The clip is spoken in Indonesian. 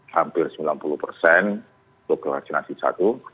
hampir sembilan puluh persen untuk vaksinasi satu